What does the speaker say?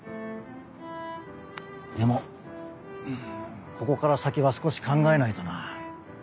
でもここから先は少し考えないとな。